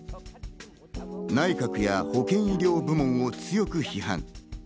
内閣や保健医療部門を強く批判。